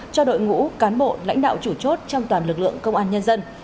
cho đội ngũ cán bộ lãnh đạo chủ chốt trong toàn lực lượng công an nhân dân